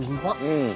うん。